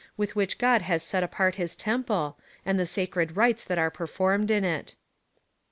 S37 with which God has set apart his Temple, and the sacred rites that are performed in it.